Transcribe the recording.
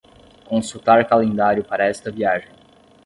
Consultar calendário para esta viagem.